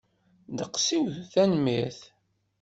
Ddeqs-iw, tanemmirt.